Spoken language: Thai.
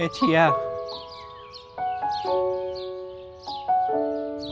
เอเชีย